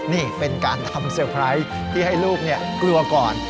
นี่เป็นการทำเซอร์ไพรส์ที่ให้ลูกกลัวก่อน